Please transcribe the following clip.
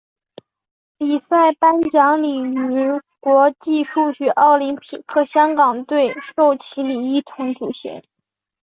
比赛颁奖礼与国际数学奥林匹克香港队授旗礼一同举行。